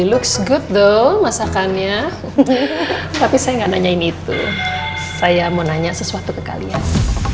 lux good tuh masakannya tapi saya nggak nanyain itu saya mau nanya sesuatu ke kalian